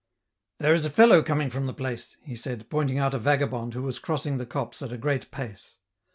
" There is a fellow coming from the place," he said, pointing out a vagabond, who was crossing the copse at a great pace.